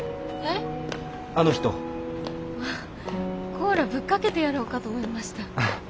コーラぶっかけてやろうかと思いました。